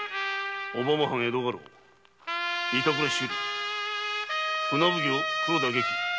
小浜藩江戸家老・板倉修理船奉行・黒田外記。